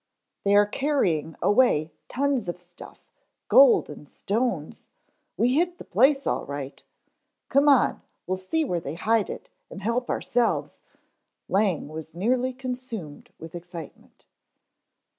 "They are carrying away tons of stuff; gold and stones. We hit the place all right. Come on, we'll see where they hide it and help ourselves " Lang was nearly consumed with excitement.